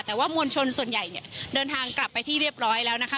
แต่ว่ามวลชนส่วนใหญ่เนี่ยเดินทางกลับไปที่เรียบร้อยแล้วนะคะ